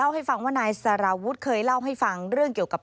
ให้ฟังว่านายสารวุฒิเคยเล่าให้ฟังเรื่องเกี่ยวกับ